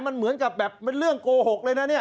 มันเหมือนกับแบบเป็นเรื่องโกหกเลยนะเนี่ย